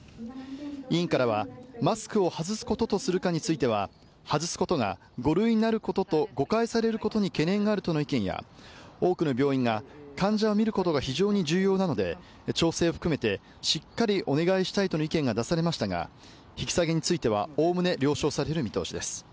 委員からはマスクを外すこととするかについては外すことが５類になることと誤解されることに懸念があるとの意見や多くの病院が患者を診ることが非常に重要なので調整を含めてしっかりお願いしたいとの意見が出されましたが引き下げについてはおおむね了承される見通しです。